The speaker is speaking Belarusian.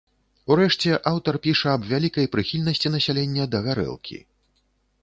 Урэшце, аўтар піша аб вялікай прыхільнасці насялення да гарэлкі.